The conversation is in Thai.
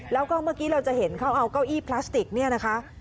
แล้วก็เมื่อกี้เราจะเห็นเขาเอาเก้าอี้พลาสติกเนี่ยนะคะ